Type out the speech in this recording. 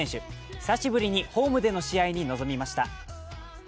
久しぶりにホームでの試合に臨みました。